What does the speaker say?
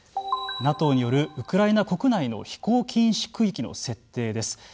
ＮＡＴＯによるウクライナ国内の飛行禁止区域の設定です。